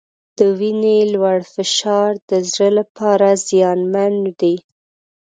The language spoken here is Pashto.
د وینې لوړ فشار د زړه لپاره زیانمن دی.